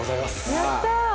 やった。